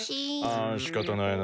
あしかたないな。